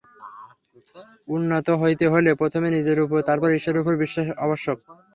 উন্নত হইতে হইলে প্রথমে নিজের উপর, তারপর ঈশ্বরের উপর বিশ্বাস আবশ্যক।